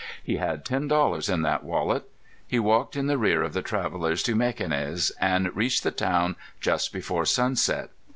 He had ten dollars in that wallet. He walked in the rear of the travellers to Mequinez, and reached the town just before sunset.